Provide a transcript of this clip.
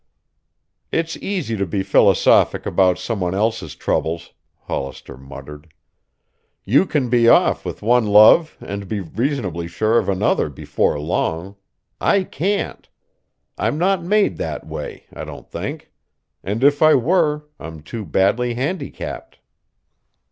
"It's easy to be philosophic about some one else's troubles," Hollister muttered. "You can be off with one love and be reasonably sure of another before long. I can't. I'm not made that way, I don't think. And if I were, I'm too badly handicapped."